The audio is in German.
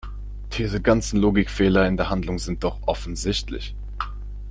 Diese ganzen Logikfehler in der Handlung sind doch offensichtlich!